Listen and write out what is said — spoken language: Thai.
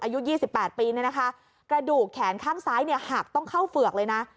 อายุ๒๘ปีเนี่ยนะคะกระดูกแขนข้างซ้ายเนี่ยหักต้องเข้าเฝือกเลยนะ